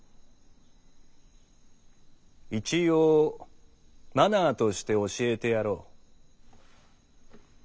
一応「マナー」として教えてやろう。